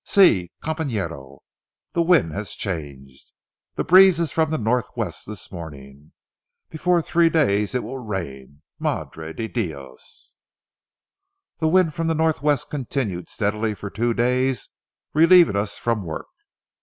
See, companero, the wind has changed. The breeze is from the northwest this morning. Before three days it will rain! Madre de Dios!" The wind from the northwest continued steadily for two days, relieving us from work.